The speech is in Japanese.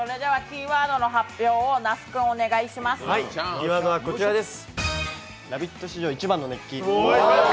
キーワードはこちらです！